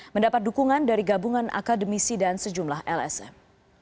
mendapat dukungan dari gabungan akademisi dan sejumlah lsm